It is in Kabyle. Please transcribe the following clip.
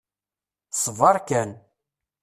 Sber kan.